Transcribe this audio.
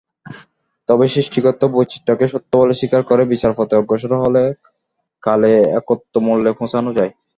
তবে সৃষ্টিগত বৈচিত্র্যটাকে সত্য বলে স্বীকার করে বিচারপথে অগ্রসর হলে কালে একত্বমূলে পৌঁছান যায়।